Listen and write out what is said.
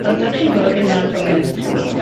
Construction work has not commenced.